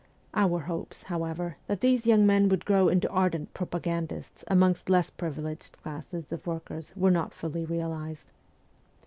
Our hopes, however, that these young men would grow into ardent propagandists amidst less privileged classes of workers were not fully realised.